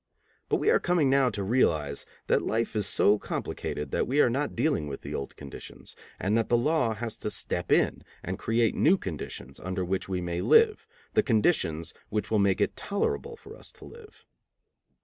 But we are coming now to realize that life is so complicated that we are not dealing with the old conditions, and that the law has to step in and create new conditions under which we may live, the conditions which will make it tolerable for us to live.